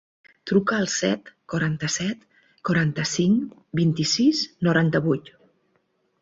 Truca al set, quaranta-set, quaranta-cinc, vint-i-sis, noranta-vuit.